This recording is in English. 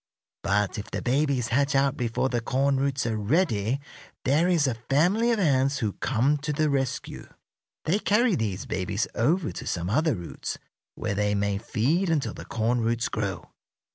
But if the babies hatch out before the corn roots are ready there is a family of ants who come to the rescue. They carry these babies over to some other roots, where they may feed until the corn roots grow.